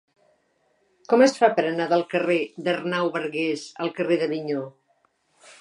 Com es fa per anar del carrer d'Arnau Bargués al carrer d'Avinyó?